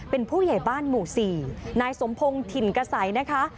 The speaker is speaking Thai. เป็นผู้ใหญ่บ้านหมู่๔นายสมพงศ์ถิ่นกษัยนะคะ